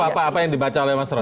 apa apa yang dibaca oleh mas roy